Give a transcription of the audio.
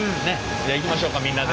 じゃあいきましょうかみんなで。